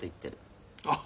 あっ。